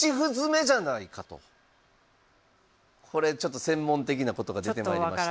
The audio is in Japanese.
これちょっと専門的なことが出てまいりました。